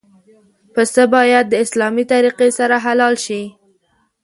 پسه باید د اسلامي طریقې سره حلال شي.